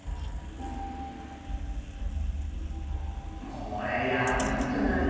こりゃやばいんじゃないの。